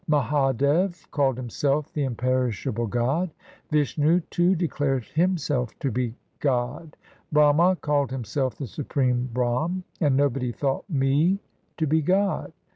Mahadev called himself the imperishable God. Vishnu too declared himself to be God ; Brahma called himself the supreme Brahm, And nobody thought Me to be God.